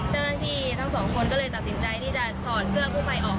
เจ้าหน้าที่ทั้งสองคนก็เลยตัดสินใจที่จะถอดเสื้อกู้ภัยออก